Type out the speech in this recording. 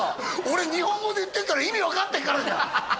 俺日本語で言ってるから意味分かってるからじゃん！